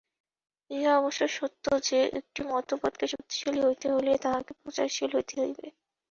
ইহা অবশ্য সত্য যে, একটি মতবাদকে শক্তিশালী হইতে হইলে তাহাকে প্রচারশীল হইতে হইবে।